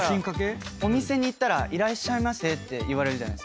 お店に行ったらいらっしゃいませって言われるじゃないですか。